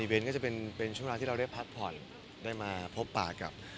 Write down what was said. อีเว้นต์ก็จะเป็นเป็นช่วงหน้าที่เราได้พักผ่อนได้มาพบปากกับ